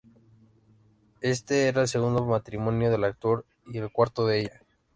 Este era el segundo matrimonio del actor, y el cuarto de ella.